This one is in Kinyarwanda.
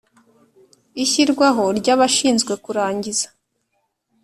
Ishyirwaho ry abashinzwe kurangiza